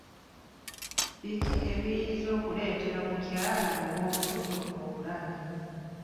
Biki ebiyinza okuleetera omukazi ow'olubuto obulabe?